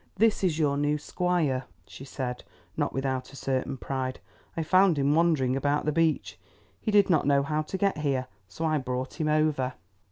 "This is your new squire," she said, not without a certain pride. "I found him wandering about the beach. He did not know how to get here, so I brought him over."